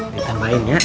saya tambahin ya